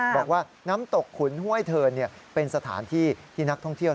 บอกว่าน้ำตกขุนห้วยเทินเป็นสถานที่ที่นักท่องเที่ยว